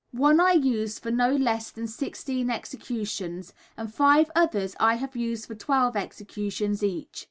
One I used for no less than sixteen executions, and five others I have used for twelve executions each.